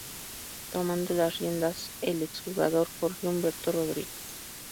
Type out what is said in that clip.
Tomando las riendas el ex jugador Jorge Humberto Rodríguez.